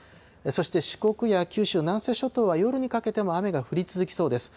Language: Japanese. そして四国や九州、南西諸島は夜にかけても雨が降り続きそうです。